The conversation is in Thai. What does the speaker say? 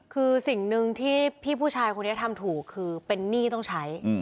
คือสิ่งหนึ่งที่พี่ผู้ชายคนนี้ทำถูกคือเป็นหนี้ต้องใช้